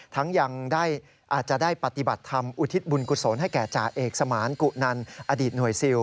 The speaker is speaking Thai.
ยังได้อาจจะได้ปฏิบัติธรรมอุทิศบุญกุศลให้แก่จ่าเอกสมานกุนันอดีตหน่วยซิล